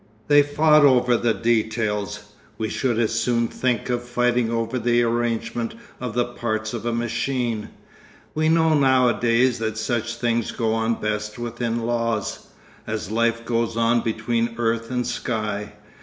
They fought over the details; we should as soon think of fighting over the arrangement of the parts of a machine. We know nowadays that such things go on best within laws, as life goes on between earth and sky.